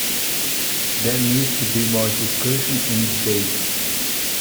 There needs to be more discussion and debate.